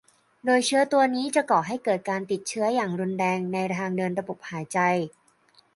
โดยเชื้อตัวนี้จะก่อให้เกิดการติดเชื้ออย่างรุนแรงในทางเดินระบบหายใจ